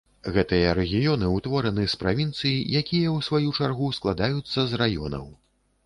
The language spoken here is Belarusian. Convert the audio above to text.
Гэтыя рэгіёны ўтвораны з правінцый, якія, у сваю чаргу, складаюцца з раёнаў.